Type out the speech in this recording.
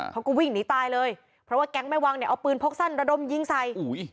เขาก็วิ่งหนีตายเลยเพราะว่าแก๊งแม่วังเนี่ยเอาปืนพกสั้นระดมยิงใส่